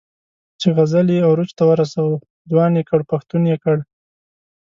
چې غزل یې عروج ته ورساوه، ځوان یې کړ، پښتون یې کړ.